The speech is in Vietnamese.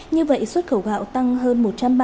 như vậy xuất khẩu gạo tăng hơn một trăm ba mươi